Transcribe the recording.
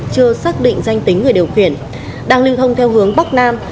chưa xác định danh tính người điều khiển đang lưu thông theo hướng bắc nam